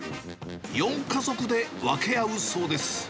４家族で分け合うそうです。